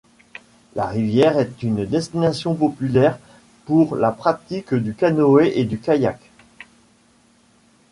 La rivière est une destination populaire pour la pratique du canoë et du kayak.